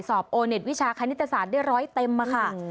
โอเน็ตวิชาคณิตศาสตร์ได้ร้อยเต็มค่ะ